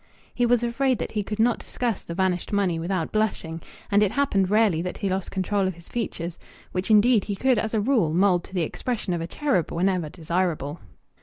He was afraid that he could not discuss the vanished money without blushing, and it happened rarely that he lost control of his features, which indeed he could as a rule mould to the expression of a cherub whenever desirable.